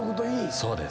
そうです。